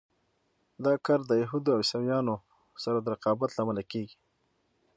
دا کار د یهودو او عیسویانو سره د رقابت له امله کېږي.